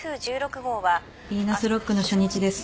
ビーナスロックの初日です。